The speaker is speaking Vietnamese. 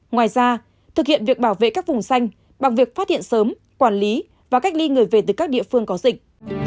ngoài ra thực hiện việc bảo vệ các vùng xanh bằng việc phát hiện sớm quản lý và cách ly người về từ các địa phương có dịch